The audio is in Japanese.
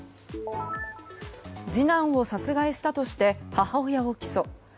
次男を殺害したとして母親を起訴。